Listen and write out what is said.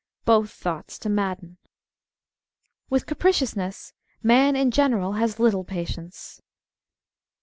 Both thoughts to madden. With capriciousness, man in general has little patience.